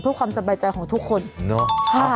เพื่อความสบายใจของทุกคนเนาะ